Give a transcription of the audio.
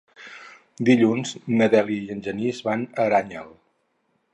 Dilluns na Dèlia i en Genís van a Aranyel.